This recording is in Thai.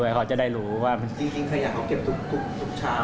เขาจะได้รู้ว่าจริงขยะเขาเก็บทุกเช้า